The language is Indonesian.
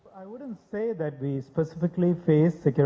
tentang apa yang terjadi di luar sana